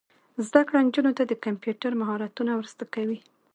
زده کړه نجونو ته د کمپیوټر مهارتونه ور زده کوي.